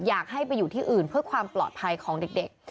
อยากให้ไปอยู่ที่อื่นเพื่อความปลอดภัยของเด็ก